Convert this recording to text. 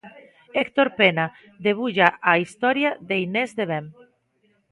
Héctor Pena debulla a historia de Inés de Ben.